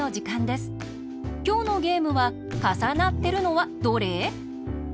きょうのゲームは「かさなってるのはどれ？」。